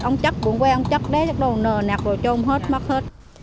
ông chắc buồn quê ông chắc đé đồ nạc đồ trôm hết mắc hết